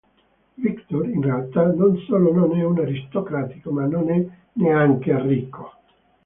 Victor, in realtà, non solo non è un aristocratico, ma non è neanche ricco.